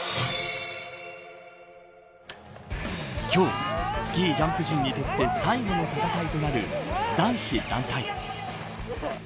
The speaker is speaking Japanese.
今日スキージャンプ陣にとって最後の戦いとなる男子団体。